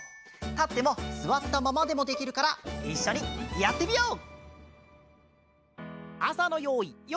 たってもすわったままでもできるからいっしょにやってみよう！